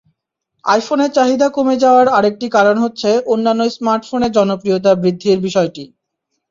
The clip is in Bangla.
আইফোনের চাহিদা কমে যাওয়ার আরেকটি কারণ হচ্ছে অন্যান্য স্মার্টফোনের জনপ্রিয়তা বৃদ্ধির বিষয়টি।